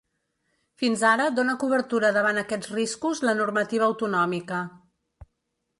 Fins ara dóna cobertura davant aquests riscos la normativa autonòmica.